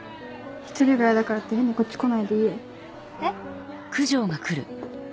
独りが嫌だからって変にこっち来ないでいいよ。えっ？